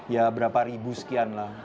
ya berapa ribu sekian lah